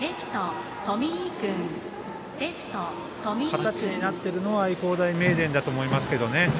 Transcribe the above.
形になっているのは愛工大名電だと思いますけどね。